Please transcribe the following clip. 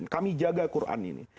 kami jaga quran ini